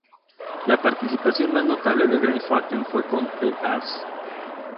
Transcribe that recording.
La participación más notable Greg Hawkes fue con The Cars.